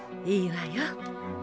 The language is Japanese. いいわよ。